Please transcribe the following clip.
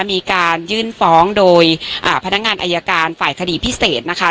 มีการยื่นฟ้องโดยอ่าพนักงานอายการฝ่ายคดีพิเศษนะคะ